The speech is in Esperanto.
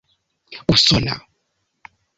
usona